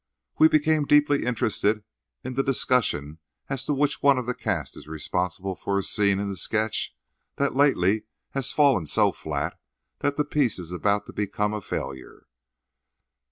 We became deeply interested in the discussion as to which one of the cast is responsible for a scene in the sketch that lately has fallen so flat that the piece is about to become a failure.